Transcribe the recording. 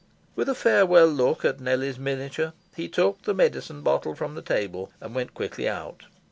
With a farewell look at Nellie's miniature, he took the medicine bottle from the table, and went quickly out.